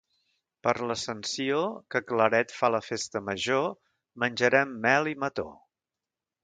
Per l'Ascensió, que Claret fa la festa major, menjarem mel i mató.